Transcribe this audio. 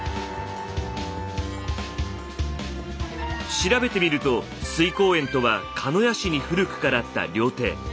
調べてみると翠光園とは鹿屋市に古くからあった料亭。